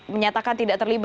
menyatakan tidak terlibat